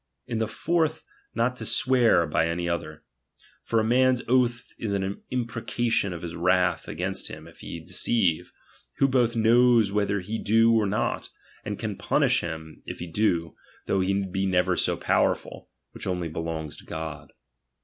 ^^"^ lu the fourth, not to sicear by any other. For Hon' m a man's oath is an imprecation of his wrath ito°".J 3.gainst him if he deceive, who both knows ■whether he do or not, and can punish him if he Clo, though he be never so powerful ; which only belongs to God.